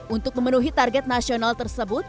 untuk memenuhi target nasional tersebut